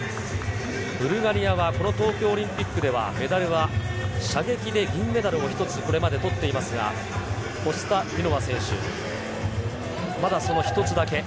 ブルガリアはこの東京オリンピックでは、メダルは射撃で銀メダルを１つ、これまでとっていますが、ホスタ・イノワ選手、まだその１つだけ。